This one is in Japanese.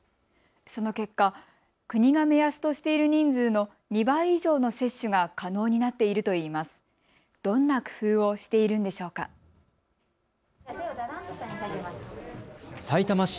その結果、国が目安としている人数の２倍以上の接種が可能になっているといいます。